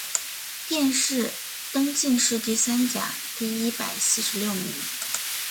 殿试登进士第三甲第一百四十六名。